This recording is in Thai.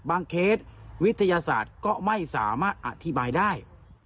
เคสวิทยาศาสตร์ก็ไม่สามารถอธิบายได้